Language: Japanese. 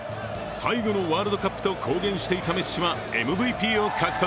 最後のワールドカップと公言していたメッシはＭＶＰを獲得。